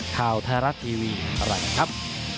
ข่าวไทยรัฐทีวีอะไรกันครับ